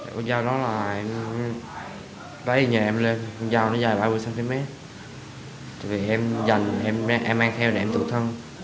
con dao đó là em bái nhà em lên con dao nó dài ba mươi cm thì em dành em mang theo để em tự thân